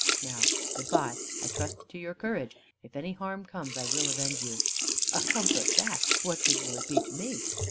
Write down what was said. Now, good bye. I trust to your courage. If any harm comes, I will avenge you." "A comfort that! What good will it be to me?"